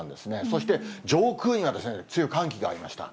そして上空には強い寒気がありました。